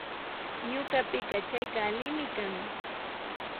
Ñukapika chayka allimi kan